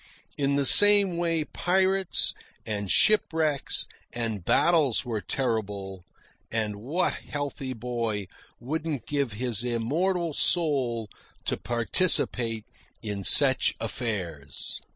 In the same way pirates, and shipwrecks, and battles were terrible; and what healthy boy wouldn't give his immortal soul to participate in such affairs?